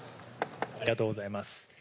ありがとうございます。